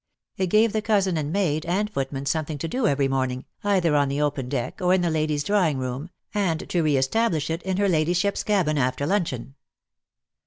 It gave the cousin and maid and footman something to do every morning, either on the open deck or in the ladies' drawing room, and to re establish it in her ladyship's cabin after luncheon.